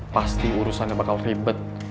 pasti urusannya bakal ribet